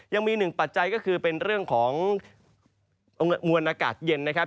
ยังมีหนึ่งปัจจัยก็คือเป็นเรื่องของมวลอากาศเย็นนะครับ